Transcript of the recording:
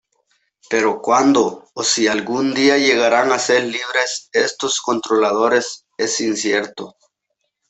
Pero cuándo, o si algún día llegarán a ser libres estos controladores es incierto.